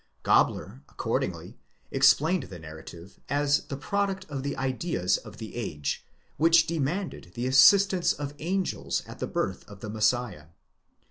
% Gabler, accordingly, explained the narrative as the product of the ideas of the age, which demanded the assistance of angels at the birth of the Messiah.